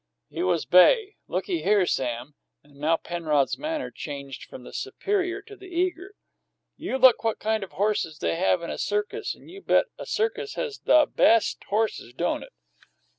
"He was bay. Looky here, Sam" and now Penrod's manner changed from the superior to the eager "you look what kind of horses they have in a circus, and you bet a circus has the best horses, don't it?